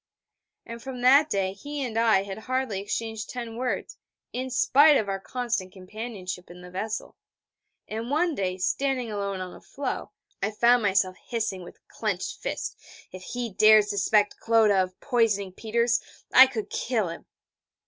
And from that day he and I had hardly exchanged ten words, in spite of our constant companionship in the vessel; and one day, standing alone on a floe, I found myself hissing with clenched fist: 'If he dared suspect Clodagh of poisoning Peters, I could kill him!'